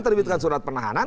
terbitkan surat penahanan